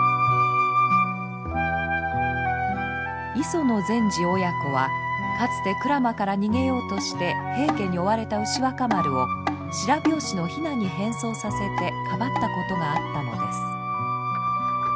磯の前司親子はかつて鞍馬から逃げようとして平家に追われた牛若丸を白拍子の雛に変装させてかばったことがあったのです。